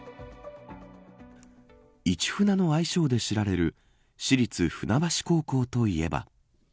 市船の愛称で知られる市立船橋高校といえば。